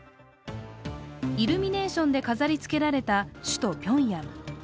イルミネーションで飾りつけられた首都ピョンヤン。